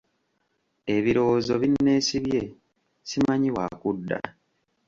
Ebirowoozo binneesibye simanyi wa kudda.